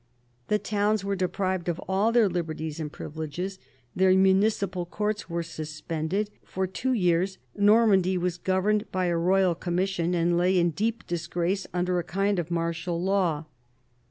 The towns were deprived of all their liberties and privileges, their municipal courts being suspended ; for two years Normandy was governed by a Royal Commission, and lay in deep disgrace under a kind of martial law.